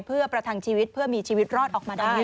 เพื่อประทังชีวิตเพื่อมีชีวิตรอดออกมาได้